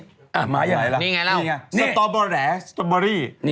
นี่ไงแล้วสตอเบอร์แหละสตอเบอรี่